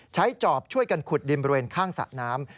จอบช่วยกันขุดดินบริเวณข้างสระน้ำ